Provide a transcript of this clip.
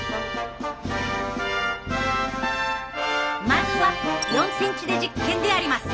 まずは４ｃｍで実験であります。